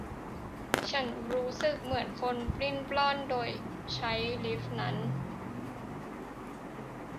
ฉันรู้สึกเหมือนคนปลิ้นปล้อนโดยใช้ลิฟท์นั้น